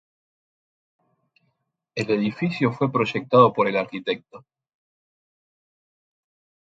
El edificio fue proyectado por el Arq.